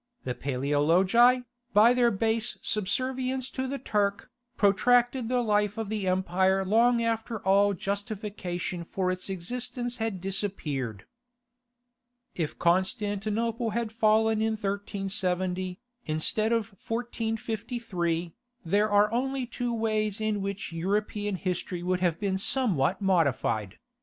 The Paleologi, by their base subservience to the Turk, protracted the life of the empire long after all justification for its existence had disappeared. If Constantinople had fallen in 1370, instead of 1453, there are only two ways in which European history would have been somewhat modified.